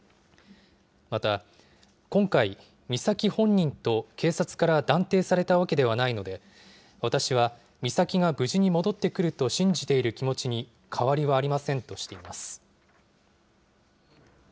また、今回、美咲本人と警察から断定されたわけではないので、私は美咲が無事に戻ってくると信じている気持ちに変わりはありませんとしています。